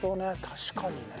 確かにね。